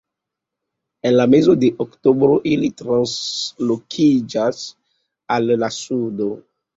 En la mezo de oktobro ili translokiĝas al la sudo.